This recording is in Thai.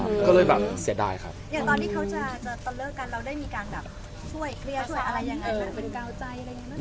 อย่างตอนที่เขาจะตัดเลิกกันเราได้มีการช่วยเคลียร์สารอะไรยังไงครับ